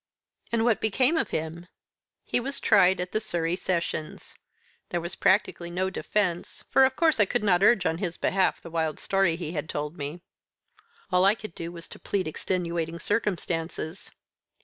"And what became of him?" "He was tried at the Surrey Sessions. There was practically no defence for, of course, I could not urge on his behalf the wild story he had told me. All I could do was to plead extenuating circumstances.